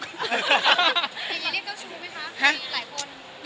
อย่างงี้เรียกก็ชูไหมคะหลายคน